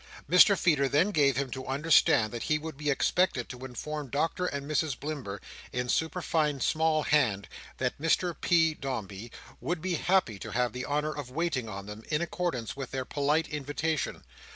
Mr Feeder then gave him to understand that he would be expected to inform Doctor and Mrs Blimber, in superfine small hand, that Mr P. Dombey would be happy to have the honour of waiting on them, in accordance with their polite invitation.